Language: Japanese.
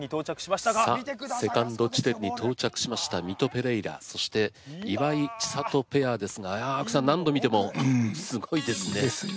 セカンド地点に到着しましたミト・ペレイラそして岩井千怜ペアですがああ青木さん何度見てもすごいですね。ですね。